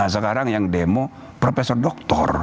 sekarang yang demo profesor doktor